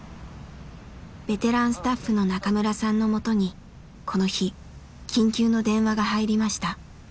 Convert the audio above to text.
ベテランスタッフの中村さんのもとにこの日緊急の電話が入りました。